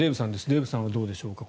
デーブさんはどうでしょうか。